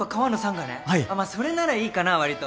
まあそれならいいかなわりと。